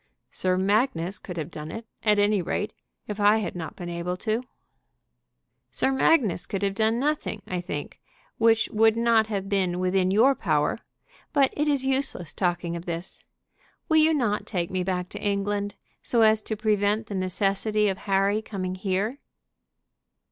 "Sir Magnus could have done it, at any rate, if I had not been able." "Sir Magnus could have done nothing, I think, which would not have been within your power. But it is useless talking of this. Will you not take me back to England, so as to prevent the necessity of Harry coming here?"